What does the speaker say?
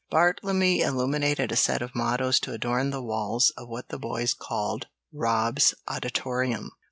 Bartlemy illuminated a set of mottoes to adorn the walls of what the boys called "Rob's auditorium."